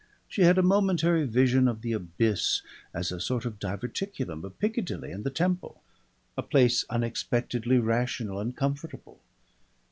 She had a momentary vision of the abyss as a sort of diverticulum of Piccadilly and the Temple, a place unexpectedly rational and comfortable.